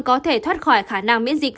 có thể thoát khỏi khả năng biến dịch